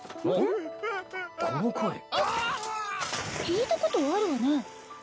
聞いたことあるわね。